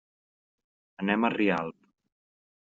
Anem a Rialp.